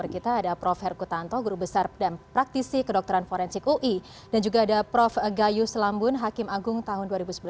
kita akan segera kembali setelah itu